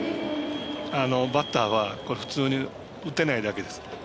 バッターは普通に打てないだけです。